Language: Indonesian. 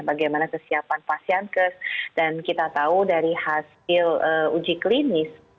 bagaimana kesiapan pasienkes dan kita tahu dari hasil uji klinis